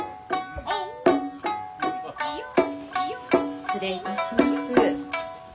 失礼いたします。